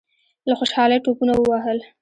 له خوشالۍ ټوپونه ووهل.